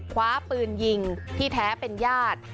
คว้าปืนยิงที่แท้เป็นญาติ